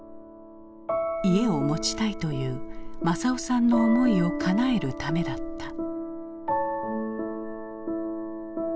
家を持ちたいという政男さんの思いをかなえるためだった。